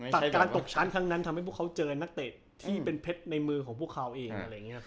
แต่การตกชั้นทั้งนั้นทำให้พวกเขาเจอนักเตะที่เป็นเพชรในมือของพวกเขาเอง